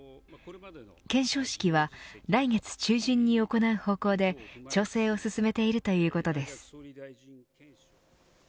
顕彰式は来月中旬に行う方向で調整を進めているということです。